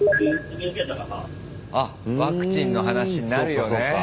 あっワクチンの話になるよね。